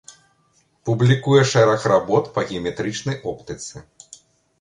Публікуе шэраг работ па геаметрычнай оптыцы.